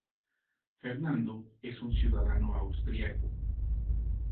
Fernando es un ciudadano austriaco.